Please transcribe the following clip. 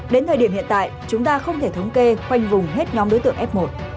đến thời điểm hiện tại chúng ta không thể thống kê khoanh vùng hết nhóm đối tượng f một